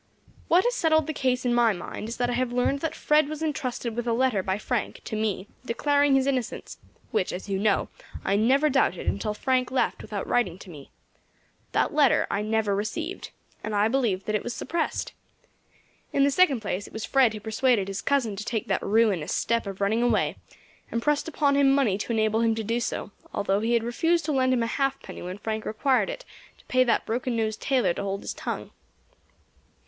"What has settled the case in my mind is that I have learned that Fred was intrusted with a letter by Frank to me, declaring his innocence, which, as you know, I never doubted until Frank left without writing to me. That letter I never received, and I believe that it was suppressed. In the second place it was Fred who persuaded his cousin to take that ruinous step of running away, and pressed upon him money to enable him to do so, although he had refused to lend him a halfpenny when Frank required it to pay that broken nosed tailor to hold his tongue."